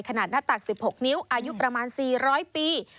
หน้าตัก๑๖นิ้วอายุประมาณ๔๐๐ปี